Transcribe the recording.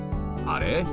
あれ？